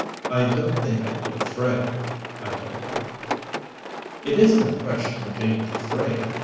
"I don't think I'd be afraid," I told him. "It isn't a question of being afraid.